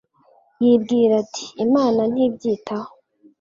yibwira ati Imana ntibyitaho